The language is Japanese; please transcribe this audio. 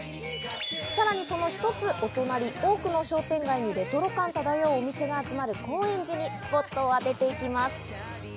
さらに、その一つお隣、多くの商店街にレトロ感漂うお店が集まる高円寺にスポットを当てていきます。